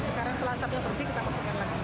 sekarang setelah asapnya terjadi kita masukkan lagi